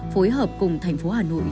phối hợp cùng thành phố hà nội